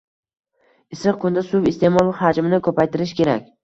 Issiq kunda suv iste`mol xajmini ko`paytirish kerak